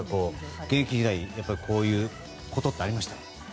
現役時代こういうことってありました？